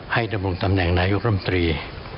ให้ดำรุงตำแหน่งนายุครัมตรี